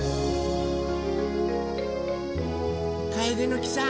カエデの木さん